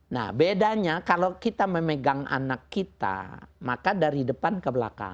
nah bedanya kalau kita memegang anak kita maka dari depan ke belakang